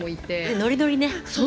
ノリノリね。